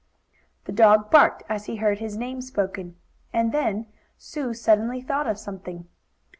The dog barked, as he heard his name spoken. And then Sue suddenly thought of something.